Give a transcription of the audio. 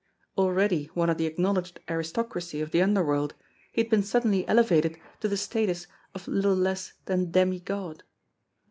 Already one of the acknowledged aristocracy of the under world, he had been suddenly elevated to the status of little less than demi god.